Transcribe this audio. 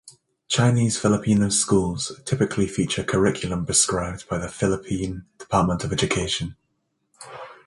Chinese Filipino schools typically feature curriculum prescribed by the Philippine Department of Education.